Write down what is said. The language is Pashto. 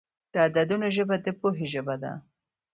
د عددونو ژبه د پوهې ژبه ده.